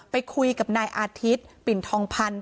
ไปคุยกับนายอาทิตย์ปิ่นทองพันธ์